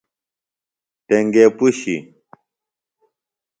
ٹنیگے پُشیۡ۔